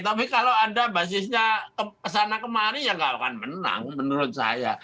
tapi kalau anda basisnya kesana kemari ya nggak akan menang menurut saya